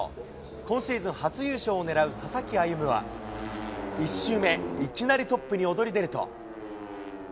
今シーズン初優勝をねらう佐々木歩夢は、１周目、いきなりトップに躍り出ると。